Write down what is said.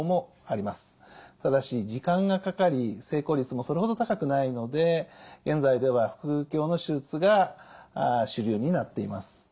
ただし時間がかかり成功率もそれほど高くないので現在では腹腔鏡の手術が主流になっています。